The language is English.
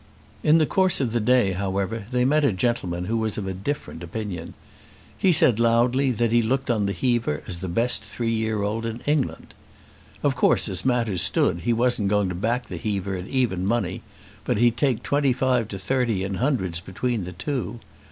In the course of the day, however, they met a gentleman who was of a different opinion. He said loudly that he looked on the Heaver as the best three year old in England. Of course as matters stood he wasn't going to back the Heaver at even money; but he'd take twenty five to thirty in hundreds between the two.